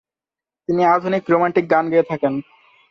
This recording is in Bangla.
তিনি আধুনিক রোমান্টিক গান গেয়ে থাকেন।